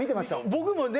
僕もね